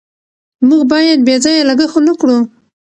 موږ باید بې ځایه لګښت ونکړو.